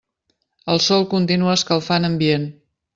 El sol continua escalfant ambient.